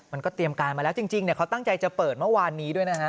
มันก็เตรียมการมาแล้วจริงเขาตั้งใจจะเปิดเมื่อวานนี้ด้วยนะฮะ